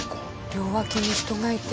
両脇に人がいて。